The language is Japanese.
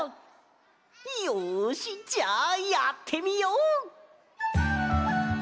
よしじゃあやってみよう！